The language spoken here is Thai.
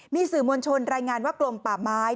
มีสื่อมวลชนรายงานว่ากลมป่าไม้